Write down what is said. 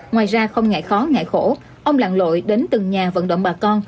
ngoài ra không ngại khó ngại khổ ông lặn lội đến từng nhà vận động bà con